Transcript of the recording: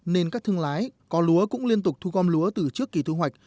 nên các thương lái có lúa cũng liên tục thu gom lúa từ trước kỳ thu hoạch